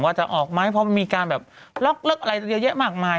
ว่าจะออกไหมเพราะมีการล็อกอะไรเยอะมากมาย